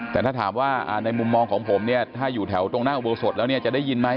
แต่ถ้าถามว่าในมุมมองของผมเนี่ยถ้าอยู่แถวตรงหน้าอุโบสถแล้วเนี่ยจะได้ยินไหม